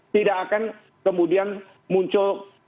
tidak akan kemudian muncul